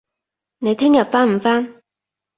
你聽日返唔返